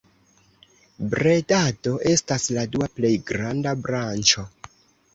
Bredado estas la dua plej granda branĉo.